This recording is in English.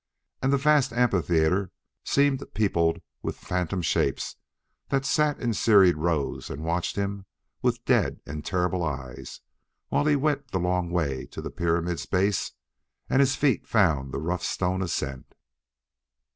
And the vast amphitheater seemed peopled with phantom shapes that sat in serried rows and watched him with dead and terrible eyes, while he went the long way to the pyramid's base, and his feet found the rough stone ascent....